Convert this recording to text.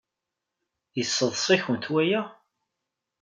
Yesseḍs-ikent waya?